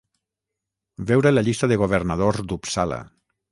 Veure la llista de governadors d'Uppsala.